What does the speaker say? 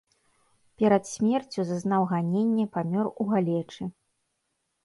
Перад смерцю зазнаў ганенне, памёр у галечы.